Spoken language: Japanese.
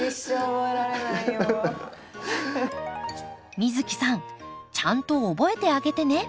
美月さんちゃんと覚えてあげてね。